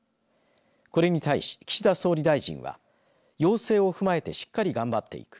これに対し岸田総理大臣は要請を踏まえてしっかり頑張っていく。